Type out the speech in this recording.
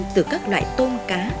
từ các loại tôm cá